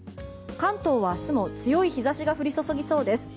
関東は明日も強い日差しが降り注ぎそうです。